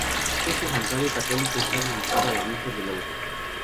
Este santuario católico está dedicado a la Virgen de Lourdes.